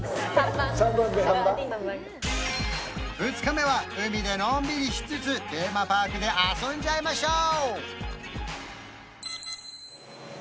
３番で２日目は海でのんびりしつつテーマパークで遊んじゃいましょう！